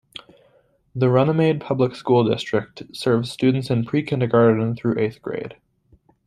The Runnemede Public School District serves students in pre-kindergarten through eighth grade.